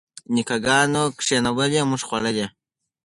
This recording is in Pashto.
نیکه ګانو کینولي موږ خوړلي.